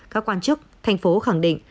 các quan chức thành phố khẳng định